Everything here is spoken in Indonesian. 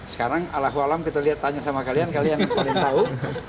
sekarang alahu alam kita lihat tanya sama kalian kalian yang paling tahu